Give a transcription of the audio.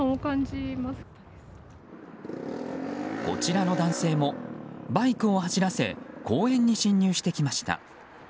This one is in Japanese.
こちらの男性もバイクを走らせ公園に進入してきました。